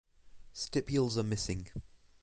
Stipules are missing.